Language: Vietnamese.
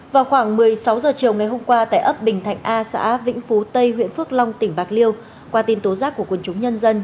vào khoảng một mươi sáu h chiều ngày hôm qua tại ấp bình thạnh a xã vĩnh phú tây huyện phước long tỉnh bạc liêu qua tin tố giác của quân chúng nhân dân